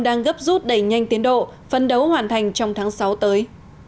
đang gấp rút đẩy nhanh tiến độ phân đấu hoàn thành trong tháng sáu tới